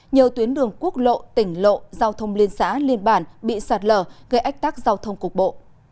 nhiều tuyến đường quốc lộ tỉnh lộ giao thông liên xã liên bản bị sạt lở gây ách tắc giao thông cục bộ